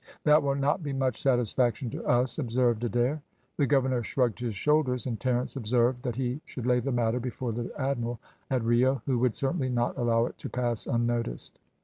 "That will not be much satisfaction to us," observed Adair. The Governor shrugged his shoulders, and Terence observed that he should lay the matter before the admiral at Rio, who would certainly not allow it to pass unnoticed.